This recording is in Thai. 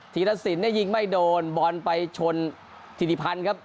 ธีรสินเนี่ยยิงไม่โดนบอลไปชนธิริพันธ์ครับ